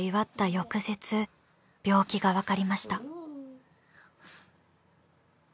翌日病気がわかりました。